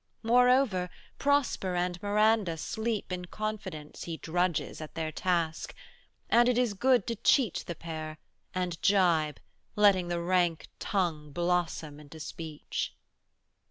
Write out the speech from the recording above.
Moreover Prosper and Miranda sleep 20 In confidence he drudges at their task, And it is good to cheat the pair, and gibe, Letting the rank tongue blossom into speech.